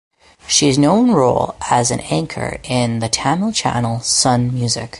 She is known role as an anchor in the Tamil channel Sun Music.